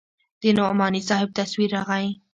د نعماني صاحب تصوير راغى.